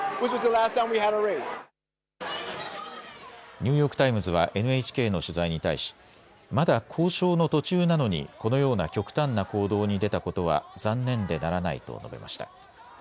ニューヨーク・タイムズはＮＨＫの取材に対し、まだ交渉の途中なのにこのような極端な行動に出たことは残念でならないと述べました。